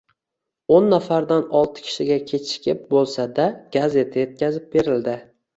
Oʻn nafardan olti kishiga kechikib boʻlsa-da gazeta yetkazib berildi.